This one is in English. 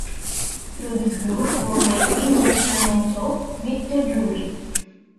Through this group, O'Reilly met her mentor, Victor Drury.